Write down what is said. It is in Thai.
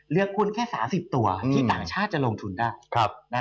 หุ้นแค่๓๐ตัวที่ต่างชาติจะลงทุนได้